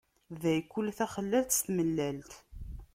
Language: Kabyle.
Day, kul taxellalt, s tmellat?